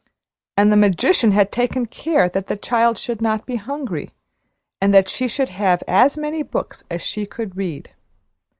And the magician had taken care that the child should not be hungry, and that she should have as many books as she could read.